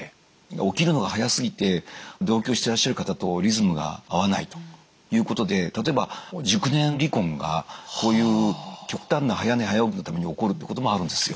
起きるのが早すぎて同居してらっしゃる方とリズムが合わないということで例えば熟年離婚がこういう極端な早寝早起きのために起こるってこともあるんですよ。